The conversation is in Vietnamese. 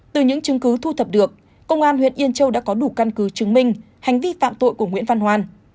từ những chứng cứ thu thập được công an huyện yên châu đã có đủ căn cứ chứng minh hành vi phạm tội của nguyễn văn hoan